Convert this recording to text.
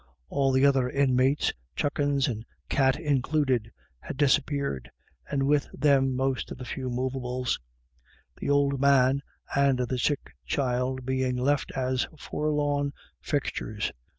All the other in mates, chuckens and cat included, had disappeared, and with them most of the few movables ; the old man and the sick child being left as forlorn fixtures.